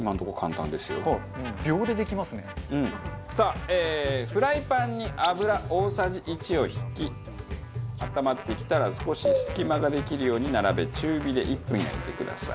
さあフライパンに油大さじ１を引きあったまってきたら少し隙間ができるように並べ中火で１分焼いてください。